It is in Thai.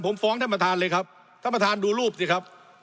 ผมฟ้องท่านประธานเลยครับท่านประธานดูรูปสิครับ